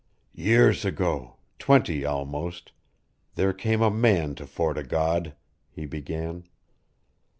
"Years ago twenty, almost there came a man to Fort o' God," he began.